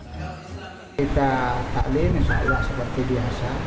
kita taklim misalnya seperti biasa